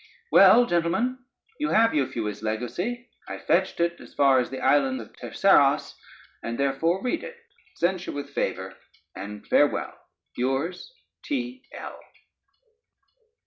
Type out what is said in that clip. Well, gentlemen, you have Euphues' Legacy. I fetched it as far as the island of Terceras, and therefore read it; censure with favor, and farewell Yours, T.L.